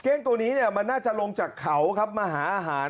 ้งตัวนี้มันน่าจะลงจากเขาครับมาหาอาหาร